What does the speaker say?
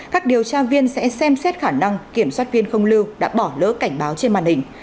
các điều tra viên sẽ xem xét khả năng kiểm soát viên không lưu đã bỏ lỡ cảnh báo trên màn hình